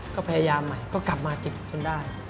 ก็พยายามใหม่ก็กลับมาติดจนได้